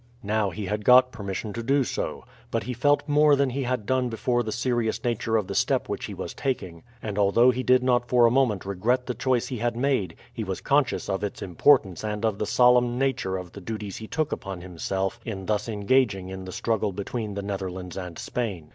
Now he had got permission to do so. But he felt more than he had done before the serious nature of the step which he was taking; and although he did not for a moment regret the choice he had made, he was conscious of its importance and of the solemn nature of the duties he took upon himself in thus engaging in the struggle between the Netherlands and Spain.